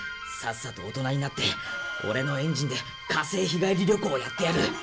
さっさと大人になってオレのエンジンで火星日帰り旅行をやってやる。